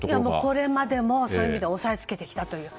これまでも、そういう意味で抑えつけてきたという。